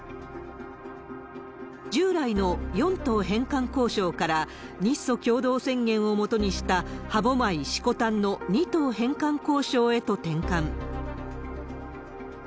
従来の４島返還交渉から日ソ共同宣言をもとにした歯舞、色丹の２島返還交渉へと転換。